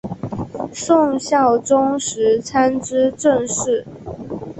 宋孝宗时参知政事。